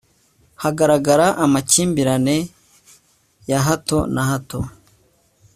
hagaragara amakimbirane ya hato na hato